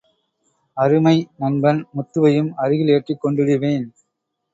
அருமை நண்பன் முத்துவையும் அருகில் ஏற்றிக் கொண்டிடுவேன்.